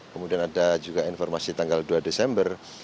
kemudian ada juga informasi tanggal dua desember